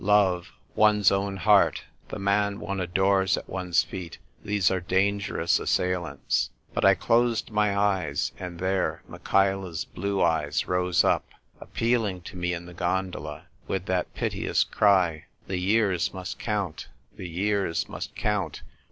Love, one's own heart, the man one adores at one's feet, these are dangerous assailants. But I closed my eyes, and there Michaela's blue eyes rose up, appealing to me in the gondola, with that piteous cry, " The years must count ; the years must count